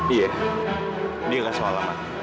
iya dia kasih alamat